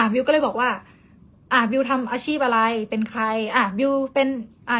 บิวก็เลยบอกว่าอ่าบิวทำอาชีพอะไรเป็นใครอ่ะบิวเป็นอ่า